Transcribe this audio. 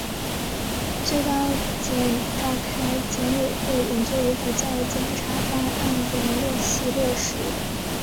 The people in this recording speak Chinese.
最高检召开检委会研究如何在检察办案中落细落实中央政治局常委会会议精神